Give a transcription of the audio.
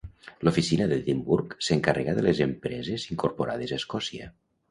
L'oficina d'Edimburg s'encarrega de les empreses incorporades a Escòcia.